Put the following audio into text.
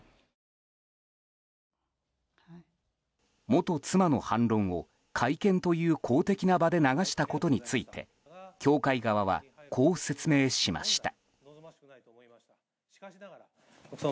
元妻の反論を、会見という公的な場で流したことについて教会側はこう説明しました。